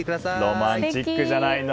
ロマンティックじゃないの。